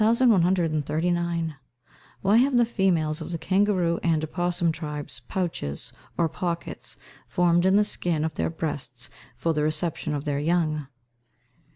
_Why have the females of the kangaroo and opossum tribes pouches, or pockets, formed in the skin of their breasts for the reception of their young?